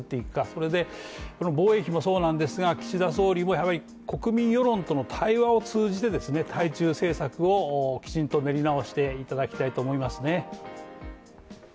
それで防衛費もそうなんですが、岸田総理も国民世論との対話を通じて対中政策をきちんと練り直していただきたいと思いますね。